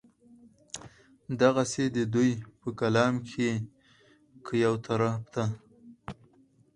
دغسې د دوي پۀ کلام کښې کۀ يو طرف ته